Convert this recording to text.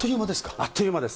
あっという間です。